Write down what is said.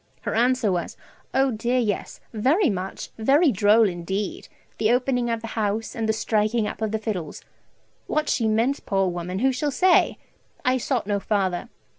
Her answer was, "Oh dear yes, very much, very droll indeed, the opening of the house, and the striking up of the fiddles!" What she meant, poor woman, who shall say? I sought no farther.